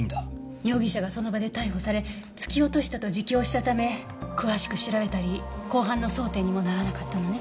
容疑者がその場で逮捕され突き落としたと自供したため詳しく調べたり公判の争点にもならなかったのね。